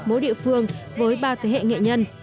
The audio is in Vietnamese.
mỗi địa phương với bao thế hệ nghệ nhân